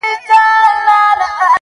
څه خبر وي وږي څرنګه ویدیږي -